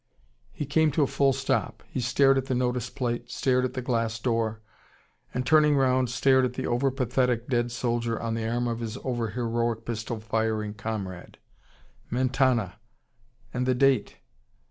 He came to a full stop. He stared at the notice plate, stared at the glass door, and turning round, stared at the over pathetic dead soldier on the arm of his over heroic pistol firing comrade; Mentana and the date!